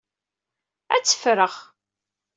Ad tt-ffreɣ.